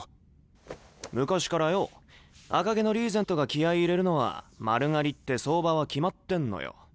昔からよ赤毛のリーゼントが気合い入れるのは丸刈りって相場は決まってんのよ。